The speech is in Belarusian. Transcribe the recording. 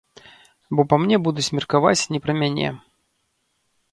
Бо па мне будуць меркаваць не пра мяне.